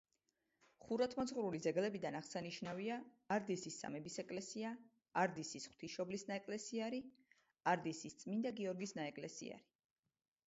ხუროთმოძღვრული ძეგლებიდან აღსანიშნავია: არდისის სამების ეკლესია, არდისის ღვთისმშობლის ნაეკლესიარი, არდისის წმინდა გიორგის ნაეკლესიარი.